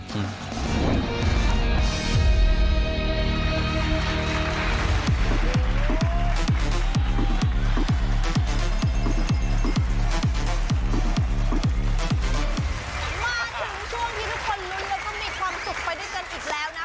มาถึงช่วงที่ทุกคนลุ้นแล้วก็มีความสุขไปด้วยกันอีกแล้วนะ